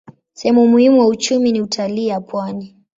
Sehemu muhimu wa uchumi ni utalii ya pwani.